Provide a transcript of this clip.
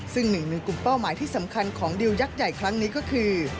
ซึ่งหนึ่งในกลุ่มเป้าหมายที่สำคัญของดิวยักษ์ใหญ่ครั้งนี้ก็คือ